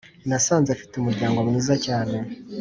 nasanze mfite umuryango mwiza cyane